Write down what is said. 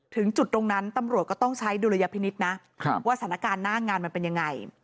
ถึงจุดตรงนั้นตำรวจก็ต้องใช้ดุลยพินิษฐ์นะว่าสถานการณ์หน้างานมันเป็นยังไง